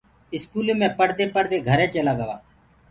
اسڪولي مي پڙهدي پڙهدي گھري چيلآ گوآ